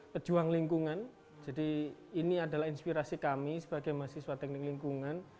pejuang lingkungan jadi ini adalah inspirasi kami sebagai mahasiswa teknik lingkungan